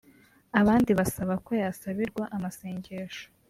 abandi basaba ko yasabirwa amasengesho